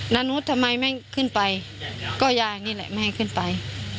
นุษย์ทำไมไม่ขึ้นไปก็ยายนี่แหละไม่ให้ขึ้นไป